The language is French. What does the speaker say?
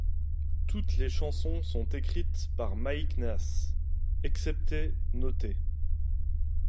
Toutes les chansons sont écrites par Mike Ness exceptées notées.